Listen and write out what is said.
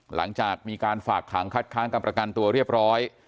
หลังจากมีการฝากขังคัดค้างการประกันตัวเรียบร้อย